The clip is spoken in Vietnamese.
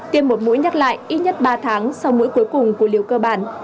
tiêm một mũi nhắc lại ít nhất ba tháng sau mũi cuối cùng của liều cơ bản